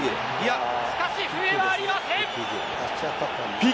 しかし笛はありません。